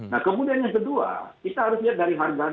nah kemudian yang kedua kita harus lihat dari harga